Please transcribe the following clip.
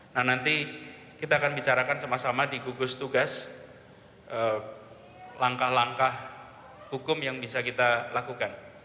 nah nanti kita akan bicarakan sama sama di gugus tugas langkah langkah hukum yang bisa kita lakukan